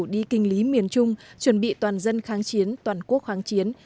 đi kinh lý miền trung chuẩn bị toàn dân kháng chiến toàn quốc kháng chiến